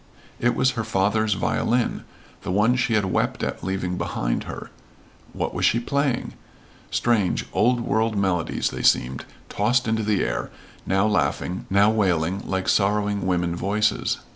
It was her father's violin, the one she had wept at leaving behind her. What was she playing? Strange, old world melodies they seemed, tossed into the air, now laughing, now wailing like sorrowing women voices.